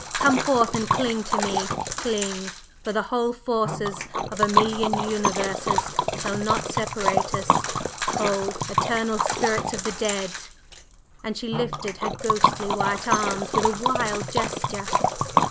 Come forth and cling to me! Cling! for the whole forces of a million universes shall not separate us! O Eternal Spirits of the Dead!" and she lifted her ghostly white arms with a wild gesture.